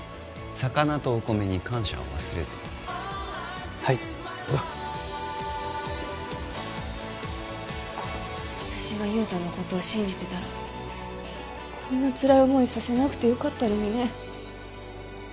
魚とお米に感謝を忘れずにはい行くぞ私が雄太のことを信じてたらこんなつらい思いさせなくてよかったのにね